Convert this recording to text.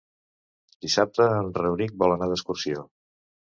Dissabte en Rauric vol anar d'excursió.